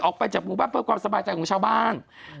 ออกไปจากหมู่บ้านเพื่อความสบายใจของชาวบ้าน